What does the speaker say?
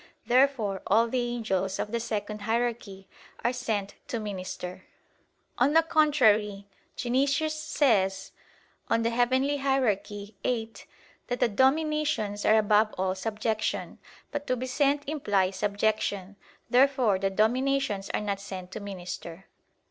Therefore all the angels of the second hierarchy are sent to minister. On the contrary, Dionysius says (Coel. Hier. viii) that the "Dominations are above all subjection." But to be sent implies subjection. Therefore the dominations are not sent to minister.